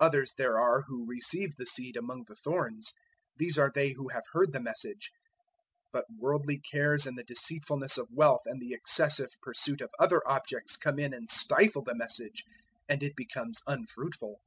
004:018 Others there are who receive the seed among the thorns: these are they who have heard the Message, 004:019 but worldly cares and the deceitfulness of wealth and the excessive pursuit of other objects come in and stifle the Message, and it becomes unfruitful.